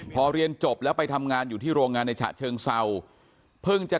พอเรียนจบแล้วไปทำงานอยู่ที่โรงงานในฉะเชิงเศร้าเพิ่งจะ